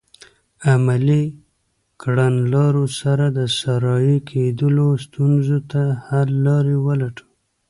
عملي کړنلارو سره د صحرایې کیدلو ستونزو ته حل لارې ولټوي.